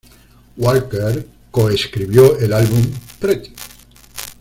Walker coescribió el álbum "Pretty.